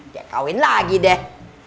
dia kawin lagi deh